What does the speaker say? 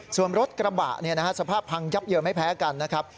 ส่วนรถกระบะสภาพพังยับเยินไม่แพ้กันนะครับ